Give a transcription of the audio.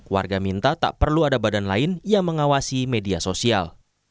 warga minta tak perlu ada badan lain yang mengawasi media sosial